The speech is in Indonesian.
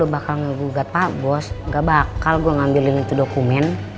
bakal ngegugat pak bos gak bakal gue ngambilin itu dokumen